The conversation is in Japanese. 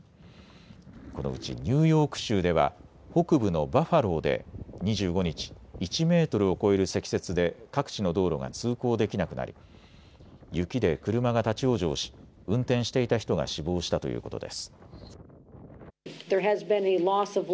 このうちニューヨーク州では北部のバファローで２５日、１メートルを超える積雪で各地の道路が通行できなくなり雪で車が立往生し運転していた人が死亡したということです。